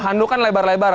handuk kan lebar lebar